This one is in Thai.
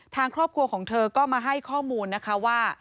ทางครอบครัวของเธอก็มาให้ข้อมูลนะคะว่า